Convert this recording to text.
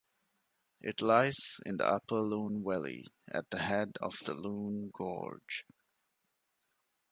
It lies in the upper Lune Valley, at the head of the Lune Gorge.